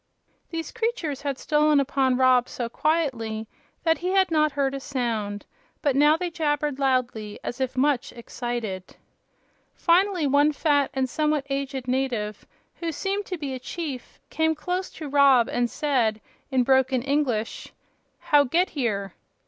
These creatures had stolen upon Rob so quietly that he had not heard a sound, but now they jabbered loudly, as if much excited. Finally one fat and somewhat aged native, who seemed to be a chief, came close to Rob and said, in broken English: "How get here?"